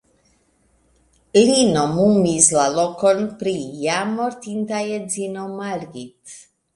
Li nomumis la lokon pri jam mortinta edzino Margit.